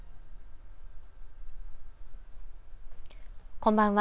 こんばんは。